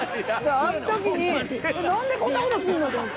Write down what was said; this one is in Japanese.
あん時に何でこんな事するのと思って。